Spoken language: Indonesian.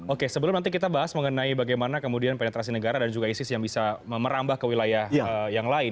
oke sebelum nanti kita bahas mengenai bagaimana kemudian penetrasi negara dan juga isis yang bisa merambah ke wilayah yang lain